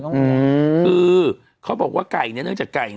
คือเขาบอกว่าไก่เนี่ยเนื่องจากไก่